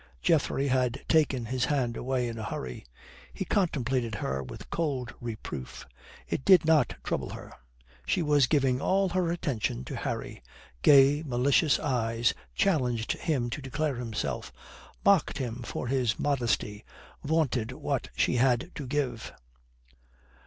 Geoffrey had taken his hand away in a hurry. He contemplated her with cold reproof. It did not trouble her. She was giving all her attention to Harry; gay, malicious eyes challenged him to declare himself, mocked him for his modesty, vaunted what she had to give.